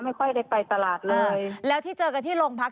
ไม่ค่อยได้ไปตลาดเลยแล้วที่เจอกันที่โรงพัก